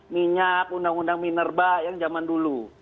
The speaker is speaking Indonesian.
minyak undang undang minerba yang zaman dulu